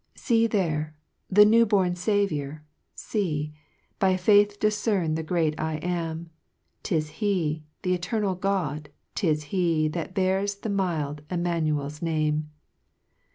7 See there ! the new born Saviour, fee, By faith difcern the great F AM : 'Tis he ! th' eternal God ! 'tis he That bears the mild Immanukl's Name.